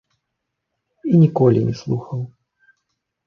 І ніколі не слухаў.